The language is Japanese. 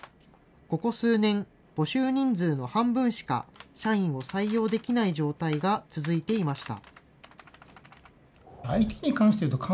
ここ数年、募集人数の半分しか社員を採用できない状態が続いていました。